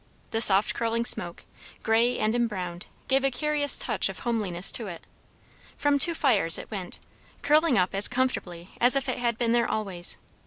The soft curling smoke, grey and embrowned, gave a curious touch of homeliness to it. From two fires it went, curling up as comfortably as if it had been there always.